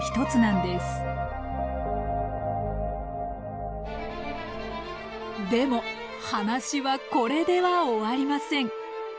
でも話はこれでは終わりません。